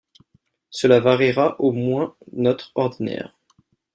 Cela variera au moins notre ordinaire!